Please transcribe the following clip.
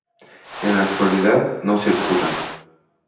En la actualidad no circulan.